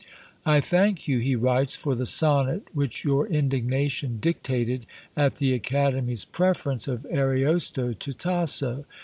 "I thank you," he writes, "for the sonnet which your indignation dictated, at the Academy's preference of Ariosto to Tasso.